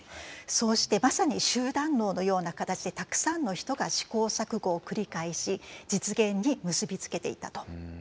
そうしてまさに集団脳のような形でたくさんの人が試行錯誤を繰り返し実現に結び付けていったと。